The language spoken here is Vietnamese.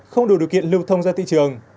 không đủ điều kiện lưu thông ra thị trường